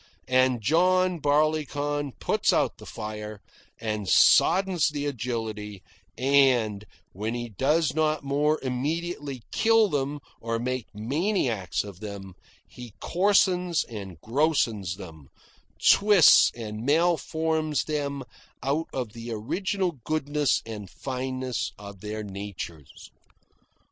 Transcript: And John Barleycorn puts out the fire, and soddens the agility, and, when he does not more immediately kill them or make maniacs of them, he coarsens and grossens them, twists and malforms them out of the original goodness and fineness of their natures.